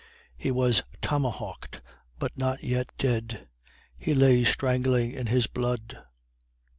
He was tomahawked, but not yet dead. He lay strangling in his blood.